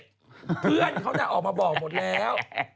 เพื่อนเขาน่ะออกมาบอกหมดแล้ว